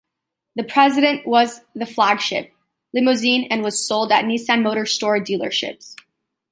The President was the flagship limousine, and was sold at "Nissan Motor Store" dealerships.